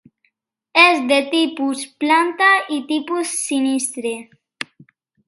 És de tipus planta i tipus sinistre.